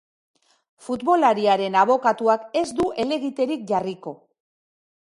Futbolariaren abokatuak ez du helegiterik jarriko.